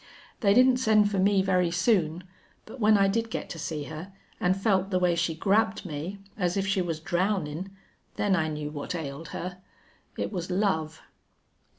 They didn't send for me very soon. But when I did get to see her, an' felt the way she grabbed me as if she was drownin' then I knew what ailed her. It was love."